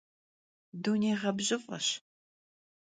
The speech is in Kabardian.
Dunêyğebjıf'eş.